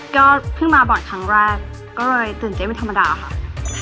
ก็เพิ่งมาบอทครั้งแรกก็เลยตื่นเจ๊ไม่ธรรมดาค่ะ